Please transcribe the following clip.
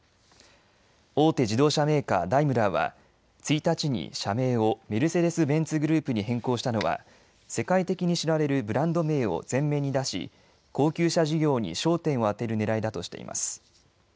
大手自動車メーカー、ダイムラーは１日に社名をメルセデス・ベンツグループに変更したのは世界的に知られるブランド名を前面に出し、高級車事業に焦点を当てるねらいだとしています。